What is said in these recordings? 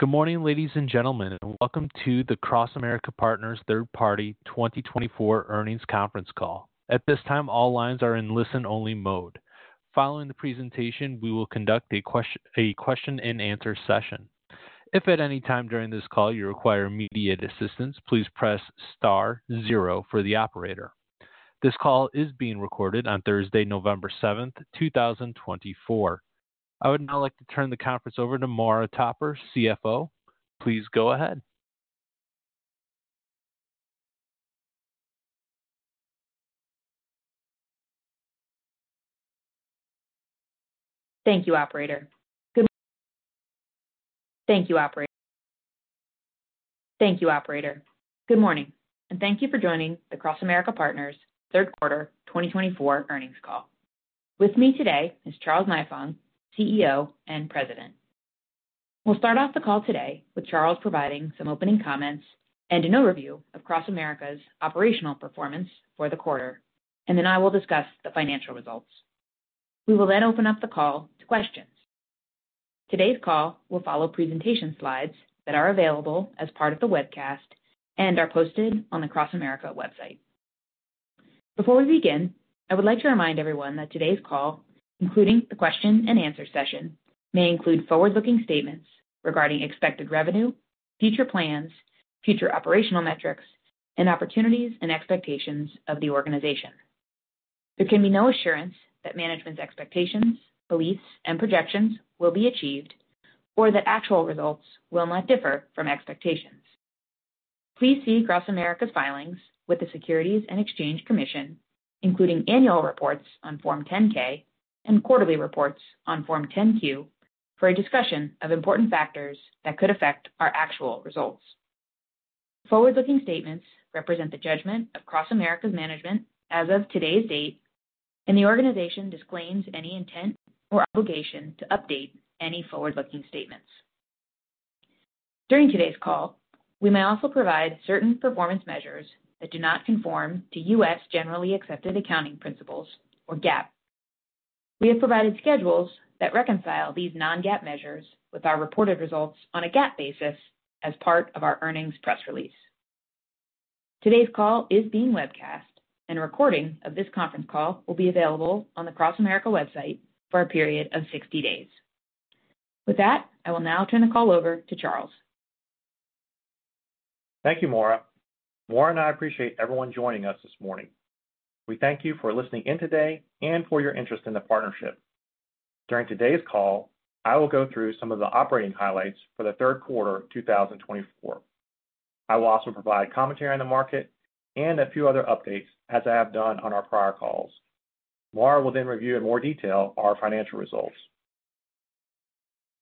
Good morning, ladies and gentlemen, and welcome to the CrossAmerica Partners Third Quarter 2024 Earnings Conference Call. At this time, all lines are in listen-only mode. Following the presentation, we will conduct a question-and-answer session. If at any time during this call you require immediate assistance, please press star zero for the operator. This call is being recorded on Thursday, November 7th, 2024. I would now like to turn the conference over to Maura Topper, CFO. Please go ahead. Thank you, operator. Good morning, and thank you for joining the CrossAmerica Partners Third Quarter 2024 Earnings Call. With me today is Charles Nifong, CEO and President. We'll start off the call today with Charles providing some opening comments and an overview of CrossAmerica's operational performance for the quarter, and then I will discuss the financial results. We will then open up the call to questions. Today's call will follow presentation slides that are available as part of the webcast and are posted on the CrossAmerica website. Before we begin, I would like to remind everyone that today's call, including the question-and-answer session, may include forward-looking statements regarding expected revenue, future plans, future operational metrics, and opportunities and expectations of the organization. There can be no assurance that management's expectations, beliefs, and projections will be achieved or that actual results will not differ from expectations. Please see CrossAmerica's filings with the Securities and Exchange Commission, including annual reports on Form 10-K and quarterly reports on Form 10-Q, for a discussion of important factors that could affect our actual results. Forward-looking statements represent the judgment of CrossAmerica's management as of today's date, and the organization disclaims any intent or obligation to update any forward-looking statements. During today's call, we may also provide certain performance measures that do not conform to U.S. generally accepted accounting principles, or GAAP. We have provided schedules that reconcile these non-GAAP measures with our reported results on a GAAP basis as part of our earnings press release. Today's call is being webcast, and a recording of this conference call will be available on the CrossAmerica website for a period of 60 days. With that, I will now turn the call over to Charles. Thank you, Maura. Maura and I appreciate everyone joining us this morning. We thank you for listening in today and for your interest in the partnership. During today's call, I will go through some of the operating highlights for the third quarter 2024. I will also provide commentary on the market and a few other updates as I have done on our prior calls. Maura will then review in more detail our financial results.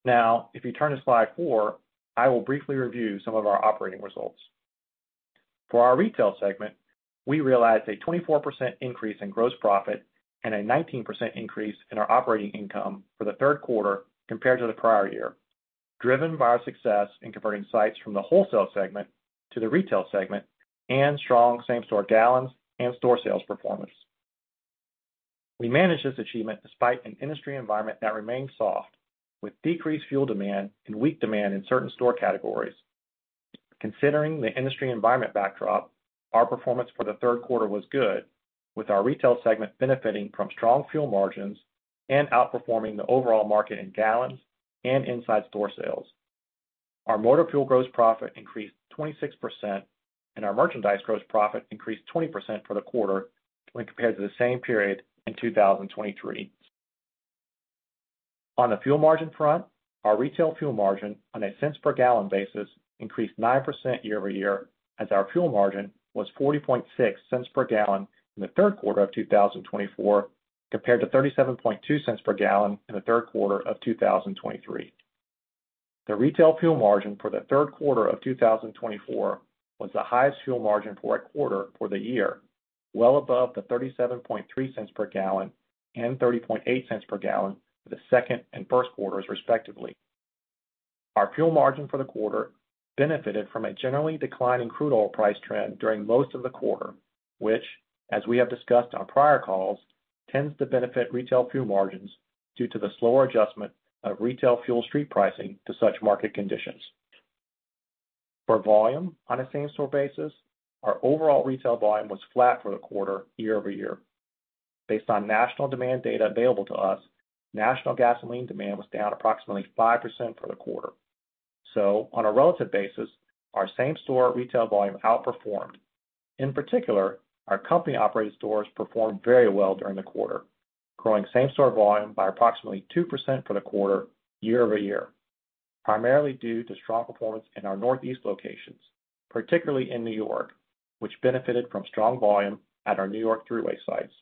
Now, if you turn to slide four, I will briefly review some of our operating results. For our retail segment, we realized a 24% increase in gross profit and a 19% increase in our operating income for the third quarter compared to the prior year, driven by our success in converting sites from the wholesale segment to the retail segment and strong same-store gallons and store sales performance. We managed this achievement despite an industry environment that remained soft, with decreased fuel demand and weak demand in certain store categories. Considering the industry environment backdrop, our performance for the third quarter was good, with our retail segment benefiting from strong fuel margins and outperforming the overall market in gallons and inside store sales. Our motor fuel gross profit increased 26%, and our merchandise gross profit increased 20% for the quarter when compared to the same period in 2023. On the fuel margin front, our retail fuel margin on a cents per gallon basis increased 9% year-over-year, as our fuel margin was 40.6 cents per gallon in the third quarter of 2024 compared to 37.2 cents per gallon in the third quarter of 2023. The retail fuel margin for the third quarter of 2024 was the highest fuel margin for a quarter for the year, well above the $0.373 per gallon and $0.308 per gallon for the second and first quarters, respectively. Our fuel margin for the quarter benefited from a generally declining crude oil price trend during most of the quarter, which, as we have discussed on prior calls, tends to benefit retail fuel margins due to the slower adjustment of retail fuel street pricing to such market conditions. For volume, on a same-store basis, our overall retail volume was flat for the quarter year-over-year. Based on national demand data available to us, national gasoline demand was down approximately 5% for the quarter. So, on a relative basis, our same-store retail volume outperformed. In particular, our company-operated stores performed very well during the quarter, growing same-store volume by approximately 2% for the quarter year-over-year, primarily due to strong performance in our Northeast locations, particularly in New York, which benefited from strong volume at our New York Thruway sites.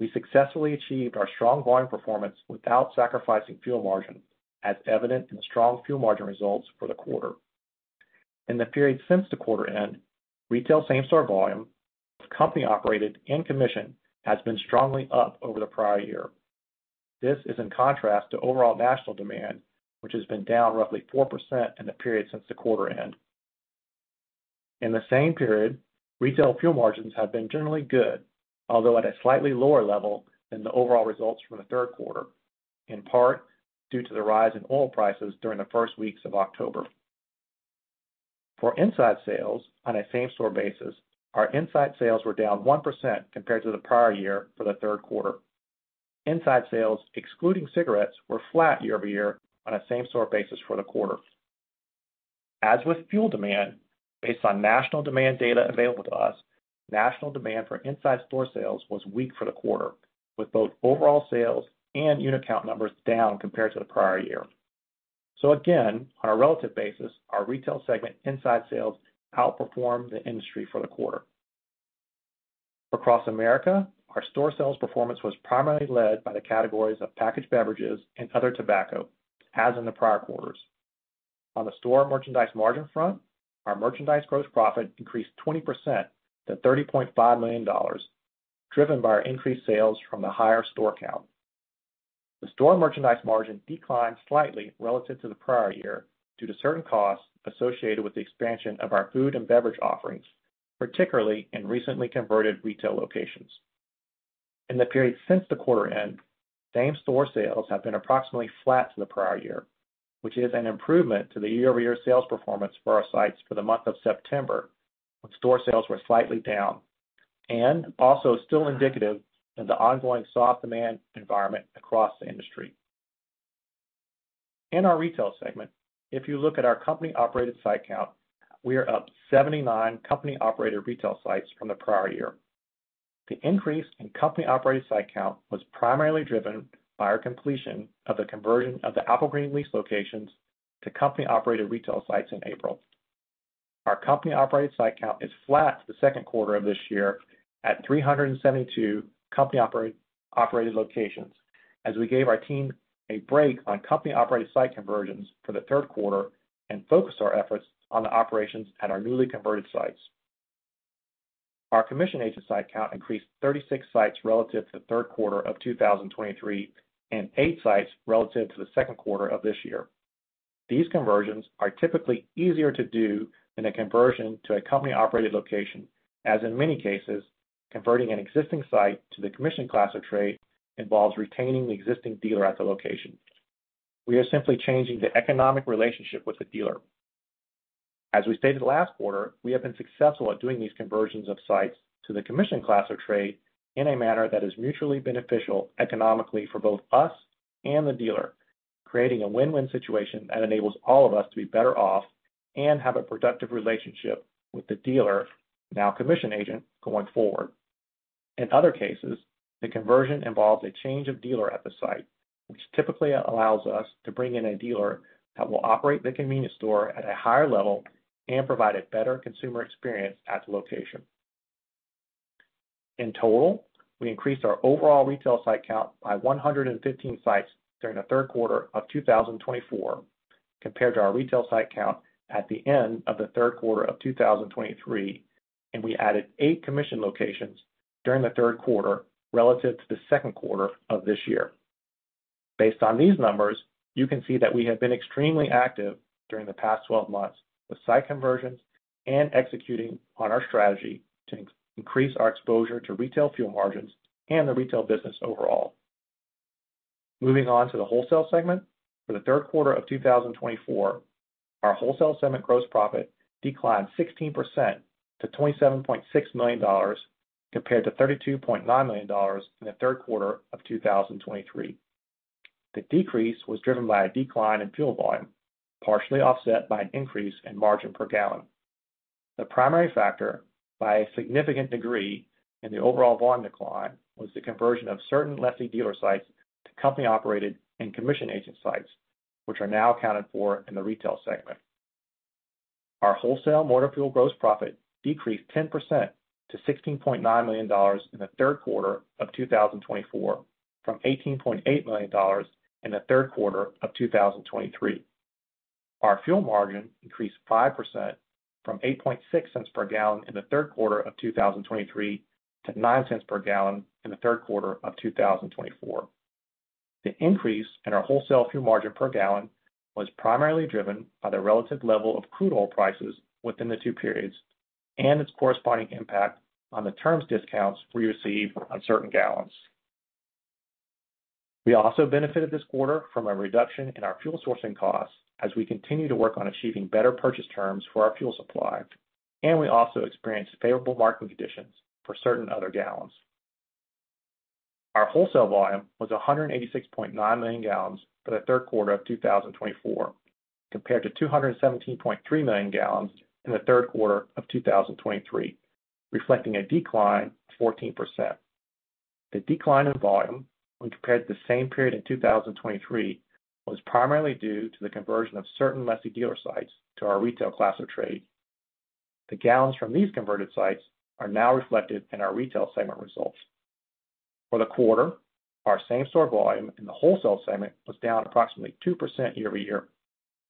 We successfully achieved our strong volume performance without sacrificing fuel margin, as evident in the strong fuel margin results for the quarter. In the period since the quarter end, retail same-store volume, both company-operated and commission, has been strongly up over the prior year. This is in contrast to overall national demand, which has been down roughly 4% in the period since the quarter end. In the same period, retail fuel margins have been generally good, although at a slightly lower level than the overall results from the third quarter, in part due to the rise in oil prices during the first weeks of October. For inside sales, on a same-store basis, our inside sales were down 1% compared to the prior year for the third quarter. Inside sales, excluding cigarettes, were flat year-over-year on a same-store basis for the quarter. As with fuel demand, based on national demand data available to us, national demand for inside store sales was weak for the quarter, with both overall sales and unit count numbers down compared to the prior year. So again, on a relative basis, our retail segment inside sales outperformed the industry for the quarter. For CrossAmerica, our store sales performance was primarily led by the categories of packaged beverages and other tobacco, as in the prior quarters. On the store merchandise margin front, our merchandise gross profit increased 20% to $30.5 million, driven by our increased sales from the higher store count. The store merchandise margin declined slightly relative to the prior year due to certain costs associated with the expansion of our food and beverage offerings, particularly in recently converted retail locations. In the period since the quarter end, same-store sales have been approximately flat to the prior year, which is an improvement to the year-over-year sales performance for our sites for the month of September, when store sales were slightly down, and also still indicative of the ongoing soft demand environment across the industry. In our retail segment, if you look at our company-operated site count, we are up 79 company-operated retail sites from the prior year. The increase in company-operated site count was primarily driven by our completion of the conversion of the Applegreen lease locations to company-operated retail sites in April. Our company-operated site count is flat in the second quarter of this year at 372 company-operated locations, as we gave our team a break on company-operated site conversions for the third quarter and focused our efforts on the operations at our newly converted sites. Our commission agent site count increased 36 sites relative to the third quarter of 2023 and eight sites relative to the second quarter of this year. These conversions are typically easier to do than a conversion to a company-operated location, as in many cases, converting an existing site to the commission class of trade involves retaining the existing dealer at the location. We are simply changing the economic relationship with the dealer. As we stated last quarter, we have been successful at doing these conversions of sites to the commission class of trade in a manner that is mutually beneficial economically for both us and the dealer, creating a win-win situation that enables all of us to be better off and have a productive relationship with the dealer, now commission agent, going forward. In other cases, the conversion involves a change of dealer at the site, which typically allows us to bring in a dealer that will operate the convenience store at a higher level and provide a better consumer experience at the location. In total, we increased our overall retail site count by 115 sites during the third quarter of 2024 compared to our retail site count at the end of the third quarter of 2023, and we added eight commission locations during the third quarter relative to the second quarter of this year. Based on these numbers, you can see that we have been extremely active during the past 12 months with site conversions and executing on our strategy to increase our exposure to retail fuel margins and the retail business overall. Moving on to the wholesale segment, for the third quarter of 2024, our wholesale segment gross profit declined 16% to $27.6 million compared to $32.9 million in the third quarter of 2023. The decrease was driven by a decline in fuel volume, partially offset by an increase in margin per gallon. The primary factor, by a significant degree, in the overall volume decline was the conversion of certain lessee dealer sites to company-operated and commission agent sites, which are now accounted for in the retail segment. Our wholesale motor fuel gross profit decreased 10% to $16.9 million in the third quarter of 2024 from $18.8 million in the third quarter of 2023. Our fuel margin increased 5% from 8.6 cents per gallon in the third quarter of 2023 to 9 cents per gallon in the third quarter of 2024. The increase in our wholesale fuel margin per gallon was primarily driven by the relative level of crude oil prices within the two periods and its corresponding impact on the term discounts we received on certain gallons. We also benefited this quarter from a reduction in our fuel sourcing costs as we continue to work on achieving better purchase terms for our fuel supply, and we also experienced favorable marketing conditions for certain other gallons. Our wholesale volume was 186.9 million gallons for the third quarter of 2024 compared to 217.3 million gallons in the third quarter of 2023, reflecting a decline of 14%. The decline in volume, when compared to the same period in 2023, was primarily due to the conversion of certain lessee dealer sites to our retail class of trade. The gallons from these converted sites are now reflected in our retail segment results. For the quarter, our same-store volume in the wholesale segment was down approximately 2% year-over-year.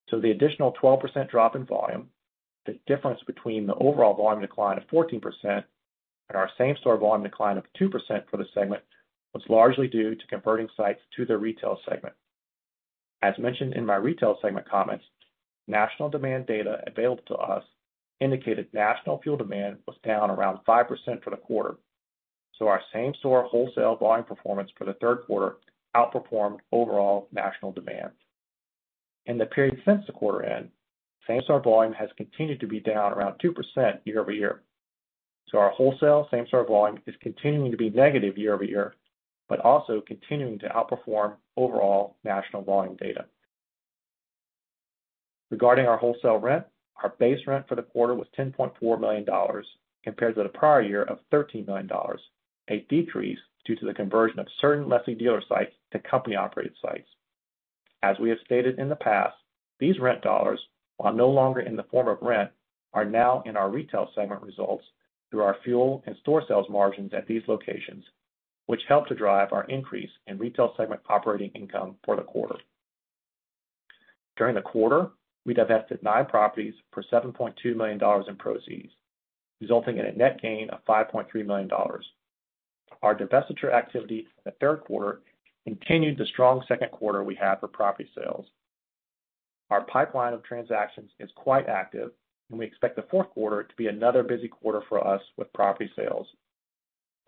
So, the additional 12% drop in volume, the difference between the overall volume decline of 14% and our same-store volume decline of 2% for the segment, was largely due to converting sites to the retail segment. As mentioned in my retail segment comments, national demand data available to us indicated national fuel demand was down around 5% for the quarter. So, our same-store wholesale volume performance for the third quarter outperformed overall national demand. In the period since the quarter end, same-store volume has continued to be down around 2% year-over-year. So, our wholesale same-store volume is continuing to be negative year-over-year, but also continuing to outperform overall national volume data. Regarding our wholesale rent, our base rent for the quarter was $10.4 million compared to the prior year of $13 million, a decrease due to the conversion of certain lessee dealer sites to company-operated sites. As we have stated in the past, these rent dollars, while no longer in the form of rent, are now in our retail segment results through our fuel and store sales margins at these locations, which helped to drive our increase in retail segment operating income for the quarter. During the quarter, we divested nine properties for $7.2 million in proceeds, resulting in a net gain of $5.3 million. Our divestiture activity in the third quarter continued the strong second quarter we had for property sales. Our pipeline of transactions is quite active, and we expect the fourth quarter to be another busy quarter for us with property sales.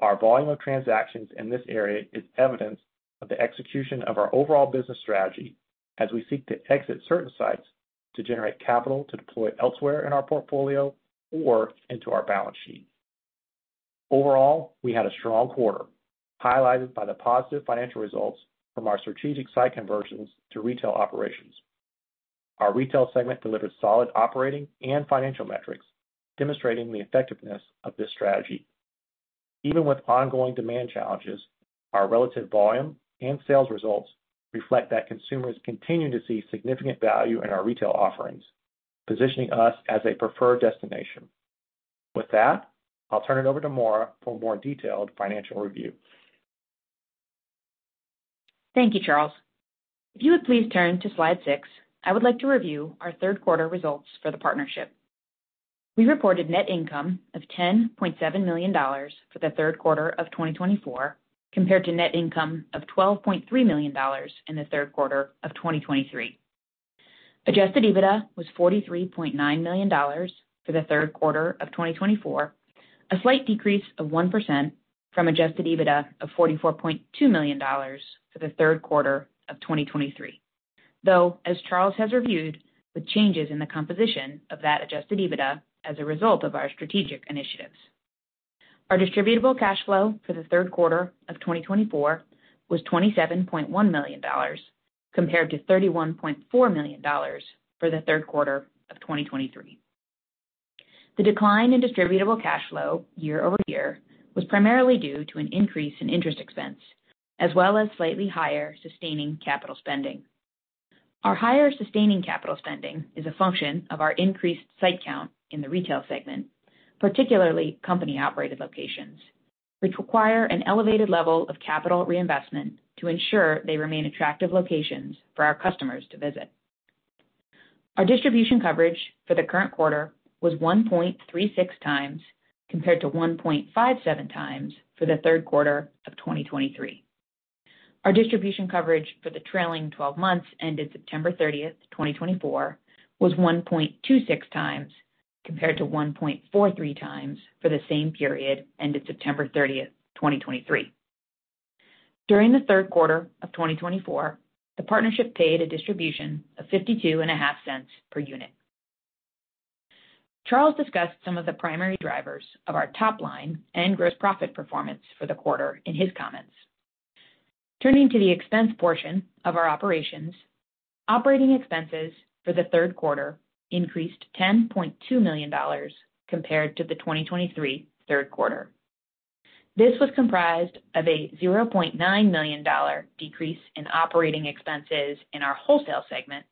Our volume of transactions in this area is evidence of the execution of our overall business strategy as we seek to exit certain sites to generate capital to deploy elsewhere in our portfolio or into our balance sheet. Overall, we had a strong quarter, highlighted by the positive financial results from our strategic site conversions to retail operations. Our retail segment delivered solid operating and financial metrics, demonstrating the effectiveness of this strategy. Even with ongoing demand challenges, our relative volume and sales results reflect that consumers continue to see significant value in our retail offerings, positioning us as a preferred destination. With that, I'll turn it over to Maura for a more detailed financial review. Thank you, Charles. If you would please turn to slide 6, I would like to review our third-quarter results for the partnership. We reported net income of $10.7 million for the third quarter of 2024 compared to net income of $12.3 million in the third quarter of 2023. Adjusted EBITDA was $43.9 million for the third quarter of 2024, a slight decrease of 1% from adjusted EBITDA of $44.2 million for the third quarter of 2023, though, as Charles has reviewed, with changes in the composition of that adjusted EBITDA as a result of our strategic initiatives. Our distributable cash flow for the third quarter of 2024 was $27.1 million compared to $31.4 million for the third quarter of 2023. The decline in distributable cash flow year-over-year was primarily due to an increase in interest expense, as well as slightly higher sustaining capital spending. Our higher sustaining capital spending is a function of our increased site count in the retail segment, particularly company-operated locations, which require an elevated level of capital reinvestment to ensure they remain attractive locations for our customers to visit. Our distribution coverage for the current quarter was 1.36 times compared to 1.57 times for the third quarter of 2023. Our distribution coverage for the trailing 12 months ended September 30, 2024, was 1.26 times compared to 1.43 times for the same period ended September 30, 2023. During the third quarter of 2024, the partnership paid a distribution of $0.52 per unit. Charles discussed some of the primary drivers of our top line and gross profit performance for the quarter in his comments. Turning to the expense portion of our operations, operating expenses for the third quarter increased $10.2 million compared to the 2023 third quarter. This was comprised of a $0.9 million decrease in operating expenses in our wholesale segment,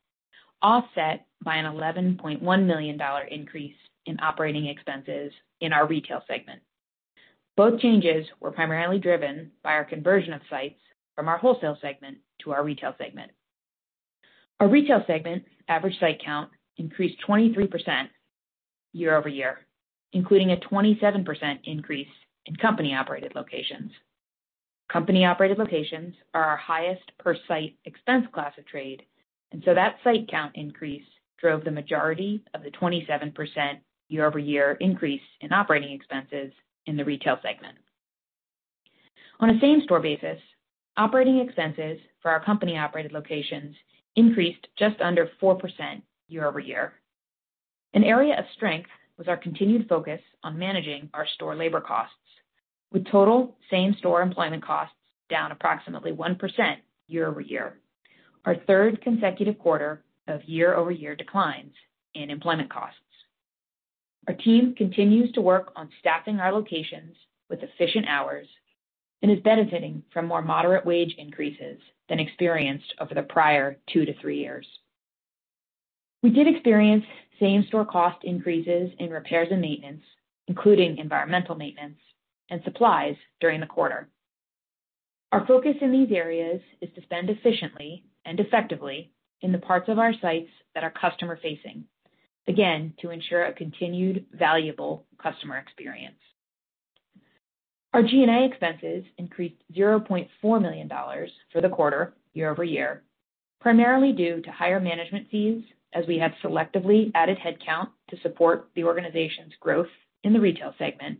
offset by an $11.1 million increase in operating expenses in our retail segment. Both changes were primarily driven by our conversion of sites from our wholesale segment to our retail segment. Our retail segment average site count increased 23% year-over-year, including a 27% increase in company-operated locations. Company-operated locations are our highest per-site expense class of trade, and so that site count increase drove the majority of the 27% year-over-year increase in operating expenses in the retail segment. On a same-store basis, operating expenses for our company-operated locations increased just under 4% year-over-year. An area of strength was our continued focus on managing our store labor costs, with total same-store employment costs down approximately 1% year-over-year, our third consecutive quarter of year-over-year declines in employment costs. Our team continues to work on staffing our locations with efficient hours and is benefiting from more moderate wage increases than experienced over the prior two to three years. We did experience same-store cost increases in repairs and maintenance, including environmental maintenance and supplies, during the quarter. Our focus in these areas is to spend efficiently and effectively in the parts of our sites that are customer-facing, again, to ensure a continued valuable customer experience. Our G&A expenses increased $0.4 million for the quarter year-over-year, primarily due to higher management fees, as we have selectively added headcount to support the organization's growth in the retail segment,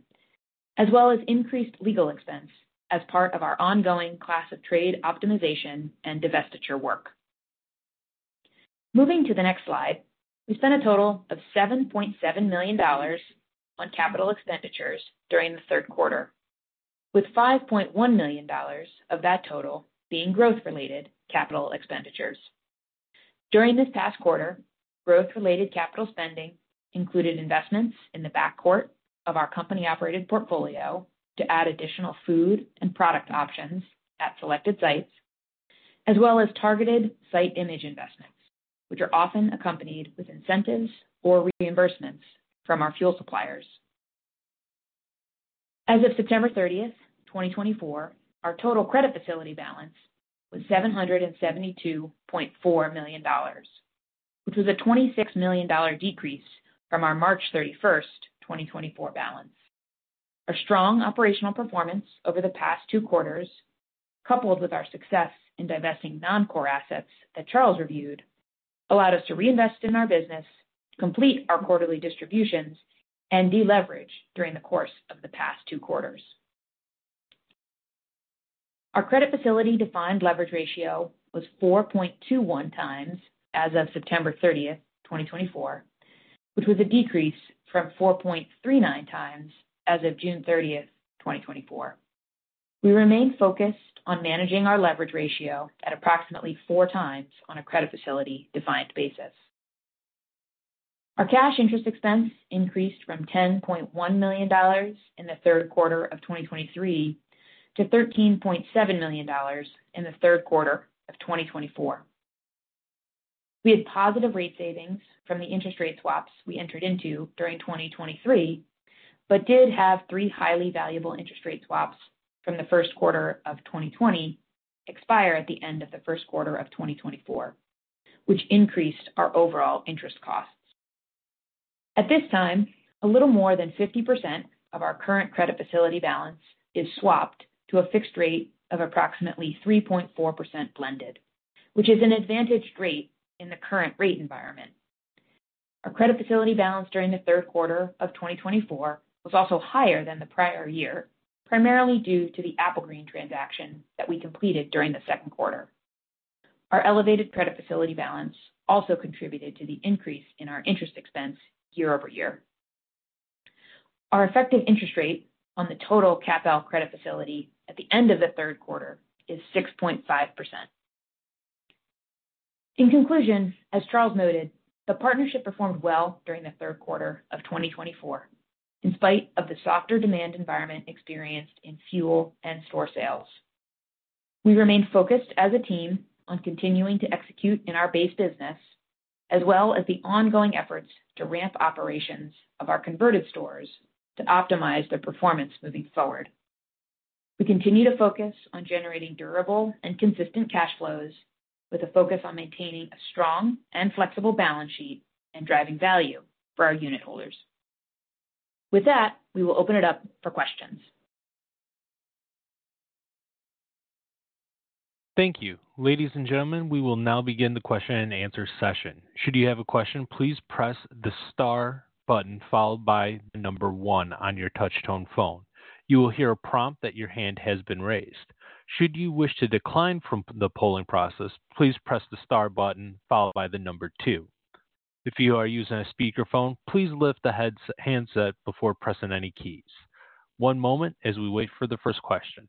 as well as increased legal expense as part of our ongoing class of trade optimization and divestiture work. Moving to the next slide, we spent a total of $7.7 million on capital expenditures during the third quarter, with $5.1 million of that total being growth-related capital expenditures. During this past quarter, growth-related capital spending included investments in the backcourt of our company-operated portfolio to add additional food and product options at selected sites, as well as targeted site image investments, which are often accompanied with incentives or reimbursements from our fuel suppliers. As of September 30, 2024, our total credit facility balance was $772.4 million, which was a $26 million decrease from our March 31, 2024, balance. Our strong operational performance over the past two quarters, coupled with our success in divesting non-core assets that Charles reviewed, allowed us to reinvest in our business, complete our quarterly distributions, and deleverage during the course of the past two quarters. Our credit facility-defined leverage ratio was 4.21 times as of September 30, 2024, which was a decrease from 4.39 times as of June 30, 2024. We remained focused on managing our leverage ratio at approximately four times on a credit facility-defined basis. Our cash interest expense increased from $10.1 million in the third quarter of 2023 to $13.7 million in the third quarter of 2024. We had positive rate savings from the interest rate swaps we entered into during 2023, but did have three highly valuable interest rate swaps from the first quarter of 2020 expire at the end of the first quarter of 2024, which increased our overall interest costs. At this time, a little more than 50% of our current credit facility balance is swapped to a fixed rate of approximately 3.4% blended, which is an advantaged rate in the current rate environment. Our credit facility balance during the third quarter of 2024 was also higher than the prior year, primarily due to the Applegreen transaction that we completed during the second quarter. Our elevated credit facility balance also contributed to the increase in our interest expense year-over-year. Our effective interest rate on the total syndicated credit facility at the end of the third quarter is 6.5%. In conclusion, as Charles noted, the partnership performed well during the third quarter of 2024, in spite of the softer demand environment experienced in fuel and store sales. We remained focused as a team on continuing to execute in our base business, as well as the ongoing efforts to ramp operations of our converted stores to optimize their performance moving forward. We continue to focus on generating durable and consistent cash flows, with a focus on maintaining a strong and flexible balance sheet and driving value for our unit holders. With that, we will open it up for questions. Thank you. Ladies and gentlemen, we will now begin the question and answer session. Should you have a question, please press the star button followed by the number one on your touch-tone phone. You will hear a prompt that your hand has been raised. Should you wish to decline from the polling process, please press the star button followed by the number two. If you are using a speakerphone, please lift the handset before pressing any keys. One moment as we wait for the first question.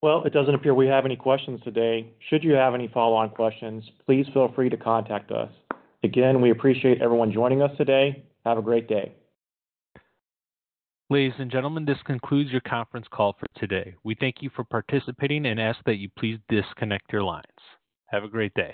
Well, it doesn't appear we have any questions today. Should you have any follow-on questions, please feel free to contact us. Again, we appreciate everyone joining us today. Have a great day. Ladies and gentlemen, this concludes your conference call for today. We thank you for participating and ask that you please disconnect your lines. Have a great day.